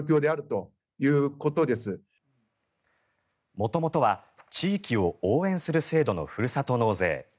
元々は地域を応援する制度のふるさと納税。